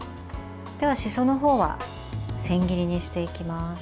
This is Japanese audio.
では、しその方は千切りにしていきます。